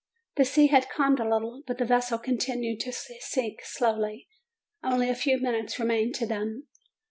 The sea had calmed a little ; but the vessel continued to sink slowly. Only a few minutes remained to them.